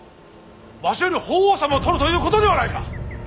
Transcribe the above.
わしより法皇様を取るということではないか！